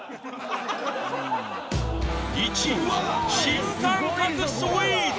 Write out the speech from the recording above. ［１位は新感覚スイーツ！］